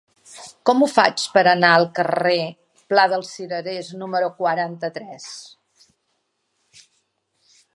Com ho faig per anar al carrer del Pla dels Cirerers número quaranta-tres?